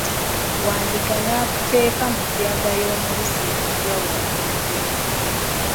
Wandiga nakuteeka mu jjaaga y'omubisi n'agiwa Wampologoma.